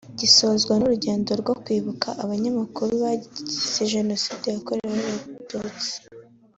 gisozwa n’urugendo rwo kwibuka abanyamakuru bazize Jenoside yakorewe Abatutsi